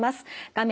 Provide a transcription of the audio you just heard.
画面